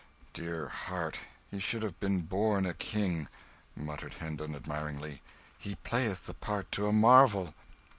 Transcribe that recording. "Dear heart, he should have been born a king!" muttered Hendon, admiringly; "he playeth the part to a marvel."